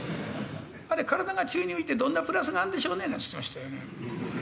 「あれ体が宙に浮いてどんなプラスがあんでしょうね？」なんて言ってましたよね。